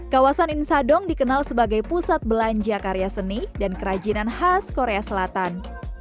kawasan insadong dikenal sebagai pusat belanja karya seni dan kerajinan khas korea selatan